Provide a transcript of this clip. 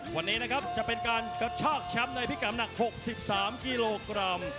วันนี้นะครับจะเป็นการกระชากแชมป์ในพิกัดหนัก๖๓กิโลกรัม